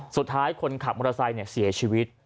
สุดท้ายคนขับมอเตอร์ไซค์เนี่ยเสียชีวิต